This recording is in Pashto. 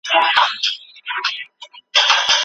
آخرت تل پاتې دی.